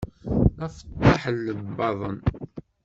D afeṭṭaḥ n lembaḍen.